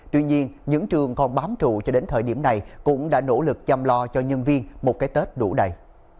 tuy nhiên những trường còn bám trụ cho đến thời điểm này cũng đã nỗ lực chăm lo cho nhân viên một cái tết đủ đầy